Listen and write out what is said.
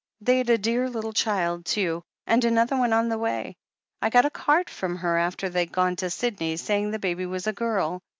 They'd a dear little child, too — ^and another one on the way. I got a card from her after they'd gone to Sydney saying the baby was a girl.